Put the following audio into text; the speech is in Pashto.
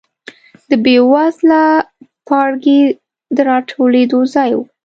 د بېوزله پاړکي د راټولېدو ځای و.